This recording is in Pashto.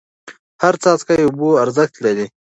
هر څاڅکی اوبه ارزښت لري.